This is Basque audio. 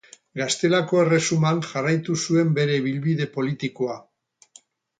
Gaztelako Erresuman jarraitu zuen bere ibilbide politikoa.